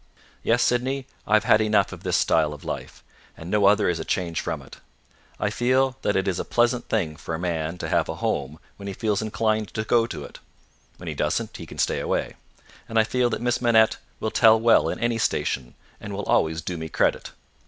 Yes, Sydney, I have had enough of this style of life, with no other as a change from it; I feel that it is a pleasant thing for a man to have a home when he feels inclined to go to it (when he doesn't, he can stay away), and I feel that Miss Manette will tell well in any station, and will always do me credit.